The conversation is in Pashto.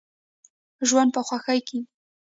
ژوند په خوښۍ کیږي.